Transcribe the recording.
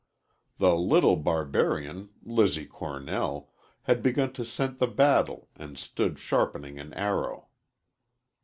The little barbarian Lizzie Cornell had begun to scent the battle and stood sharpening an arrow.